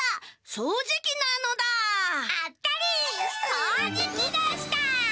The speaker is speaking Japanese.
そうじきでした！